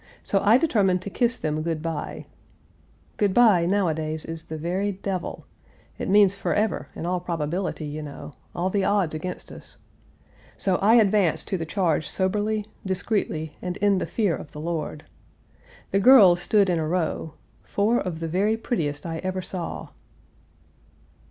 So I determined to kiss them good by. Good by nowadays is the very devil, it means forever, in all probability, you know; all the odds against us. So I advanced to the charge soberly, discreetly, and in the fear of the Lord. The girls stood in a row four of the very prettiest I ever saw."